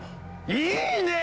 いいねぇ！